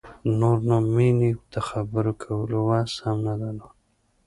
نور نو مينې د خبرو کولو وس هم نه درلود.